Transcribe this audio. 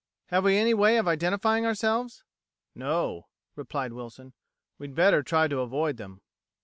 "Have we any way of identifying ourselves?" "No," replied Wilson. "We'd better try to avoid them."